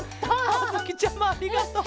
あづきちゃまありがとう。